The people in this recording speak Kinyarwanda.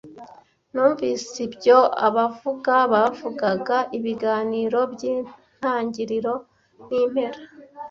Numvise ibyo abavuga bavugaga, ibiganiro byintangiriro nimpera,